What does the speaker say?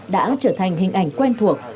đã trở thành hình ảnh quen thuộc